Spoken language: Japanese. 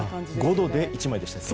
５度で１枚でしたっけ。